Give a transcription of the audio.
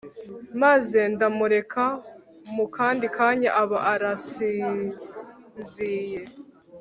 maze ndamureka mu kandi kanya aba arasinziye